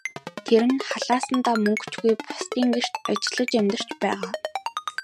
Тэр нь халаасандаа мөнгө ч үгүй, бусдын гэрт ажиллаж амьдарч байгаа.